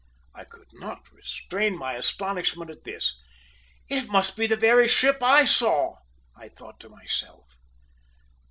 I could not restrain my astonishment at this. "It must be the very ship I saw!" I thought to myself.